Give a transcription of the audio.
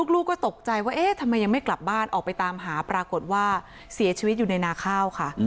ลูกก็ตกใจว่าเอ๊ะทำไมยังไม่กลับบ้านออกไปตามหาปรากฏว่าเสียชีวิตอยู่ในนาข้าวค่ะ